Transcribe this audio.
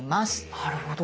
なるほど。